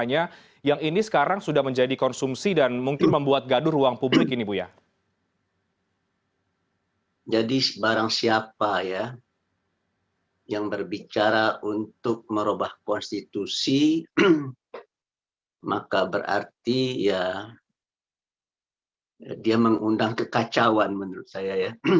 jadi barang siapa yang berbicara untuk merubah konstitusi maka berarti dia mengundang kekacauan menurut saya